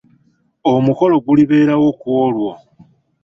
Omukolo gulibeeerawo ku olwo.